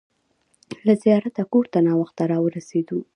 له زیارته کور ته ناوخته راورسېدو.